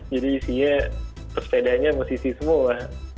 jadi isinya sepedanya musisi semua